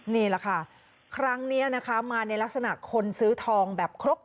นี่แหละค่ะครั้งนี้นะคะมาในลักษณะคนซื้อทองแบบครบ